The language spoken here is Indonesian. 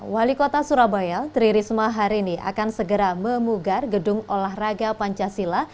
wali kota surabaya tri risma hari ini akan segera memugar gedung olahraga pancasila